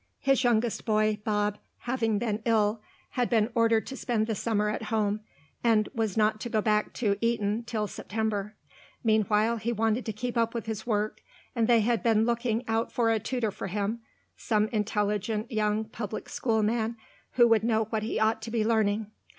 His youngest boy, Bob, having been ill, had been ordered to spend the summer at home, and was not to go back to Eton till September. Meanwhile he wanted to keep up with his work, and they had been looking out for a tutor for him, some intelligent young public school man who would know what he ought to be learning.